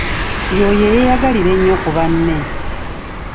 Y'oyo eyeeyagalira ennyo ku banne.